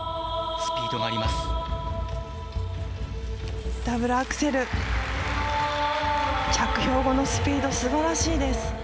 スピードがあります。